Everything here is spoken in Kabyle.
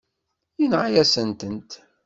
Yenɣa-yasent-tent.